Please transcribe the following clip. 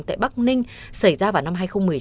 tại bắc ninh xảy ra vào năm hai nghìn một mươi chín